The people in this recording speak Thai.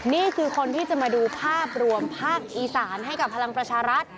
นี่คือคนที่จะมาดูภาพรวมภาคอีสานให้กับพลังประชารัฐ